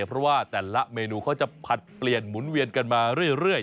เพราะว่าแต่ละเมนูเขาจะผลัดเปลี่ยนหมุนเวียนกันมาเรื่อย